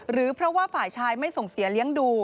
หรือเพราะว่าฝ่ายชายไม่ส่งเสียเลี้ยงดู